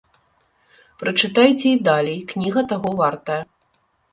Прачытайце і далей, кніга таго вартая.